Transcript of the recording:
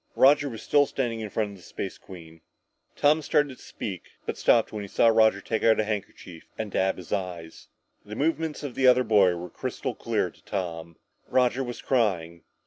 Roger was still standing in front of the Space Queen! Tom started to speak, but stopped when he saw Roger take out a handkerchief and dab at his eyes. The movements of the other boy were crystal clear to Tom. Roger was crying!